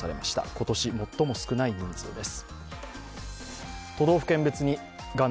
今年最も少ない人数です。